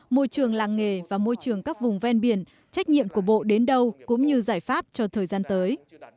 môi trường làng nghề và môi trường các vùng ven biển trách nhiệm của bộ đến đâu cũng như giải pháp cho thời gian tới